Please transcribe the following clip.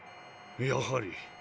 やはり。